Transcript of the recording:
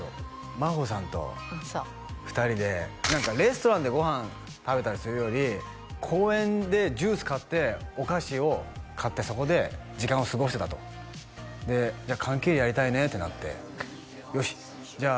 真帆さんと２人で何かレストランでご飯食べたりするより公園でジュース買ってお菓子を買ってそこで時間を過ごしてたとでじゃあ缶蹴りやりたいねってなってよしじゃあ